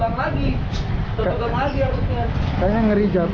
sudah sulit dikirim dari tabung